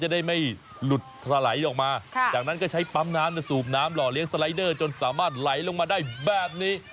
ได้ไม่หลุดถลายออกมาจากนั้นก็ใช้ปั๊มน้ำสูบน้ำหล่อเลี้ยสไลเดอร์จนสามารถไหลลงมาได้แบบนี้